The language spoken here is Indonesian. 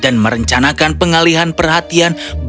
dan merencanakan pengalihan perhatian bagi para putri untuk mereka